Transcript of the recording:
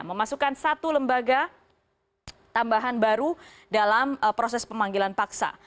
memasukkan satu lembaga tambahan baru dalam proses pemanggilan paksa